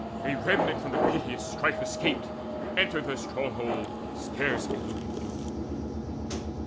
A remnant from the pitiless strife escaped Entered their stronghold, scarce eluding doom.